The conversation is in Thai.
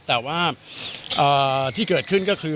แต่ว่าอ่าฮ่าที่เกิดขึ้นก็คือ